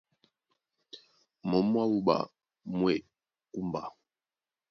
Mǒm mwá wúɓa mú e kúmba.